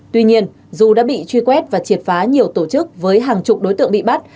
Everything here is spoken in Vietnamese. tuy nhiên dù đã bị truy quét và triệt phá nhiều tổ chức với hàng chục đối tượng bị bắt